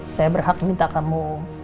saya berhak minta kamu